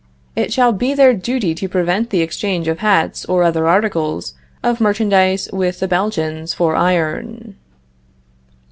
It shall be their duty to prevent the exchange of hats or other articles of merchandise with the Belgians for iron.